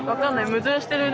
矛盾してるね。